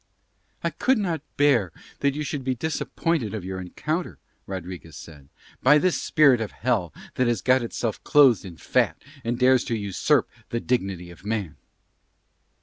"I could not bear that you should be disappointed of your encounter," Rodriguez said, "by this spirit of Hell that has got itself clothed in fat and dares to usurp the dignity of man."